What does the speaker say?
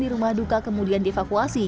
di rumah duka kemudian dievakuasi